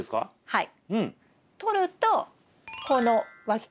はい。